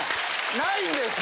ないんです！